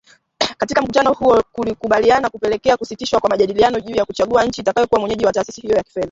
Katika mkutano huu kutokukubaliana kulipelekea kusitishwa kwa majadiliano juu ya kuchagua nchi itakayokuwa mwenyeji wa Taasisi hiyo ya kifedha.